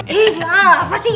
iya apa sih